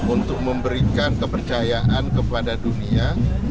untuk memberikan kepercayaan kepada dunia